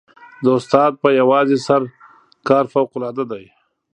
د استاد په یوازې سر کار فوقالعاده دی.